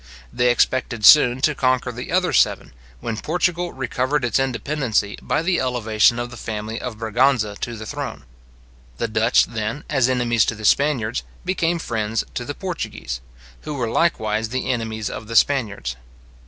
They expected soon to conquer the other seven, when Portugal recovered its independency by the elevation of the family of Braganza to the throne. The Dutch, then, as enemies to the Spaniards, became friends to the Portuguese, who were likewise the enemies of the Spaniards.